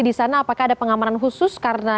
disana apakah ada pengamaran khusus karena